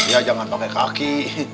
ya jangan pakai kaki